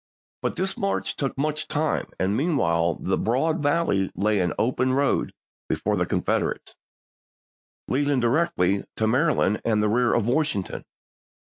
But this march took much time, and meanwhile the broad valley lay an open road before the Confederates, leading directly to Mary land and the rear of Washington.